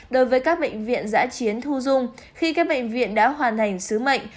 đối với các bệnh viện giã chiến thu dung khi các bệnh viện đã hoàn thành sứ mệnh